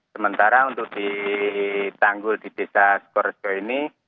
sementara untuk di tanggul di desa sukorejo ini